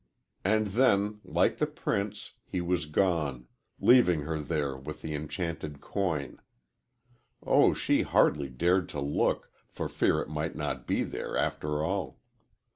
And then, like the prince, he was gone, leaving her there with the enchanted coin. Oh, she hardly dared to look, for fear it might not be there after all.